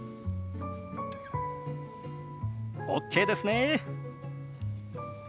ＯＫですね！